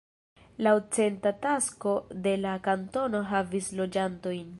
Laŭ censa takso de la kantono havis loĝantojn.